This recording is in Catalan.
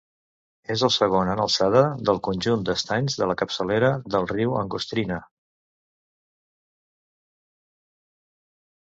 És el segon en alçada del conjunt d'estanys de la capçalera del Riu d'Angostrina.